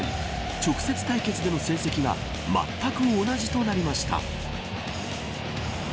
直接対決での成績がまったく同じとなりました。